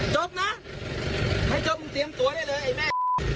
จบนะไอ้จบมึงเตรียมตัวได้เลยไอ้แม่